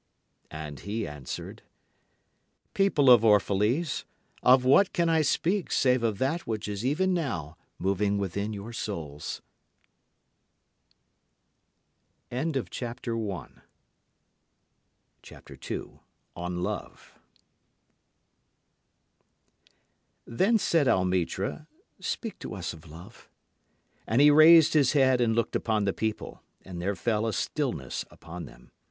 And he answered, People of Orphalese, of what can I speak save of that which is even now moving within your souls? Then said Almitra, Speak to us of Love. And he raised his head and looked upon the people, and there fell a stillness upon them.